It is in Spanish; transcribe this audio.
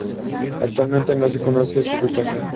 Actualmente no se conoce su ubicación.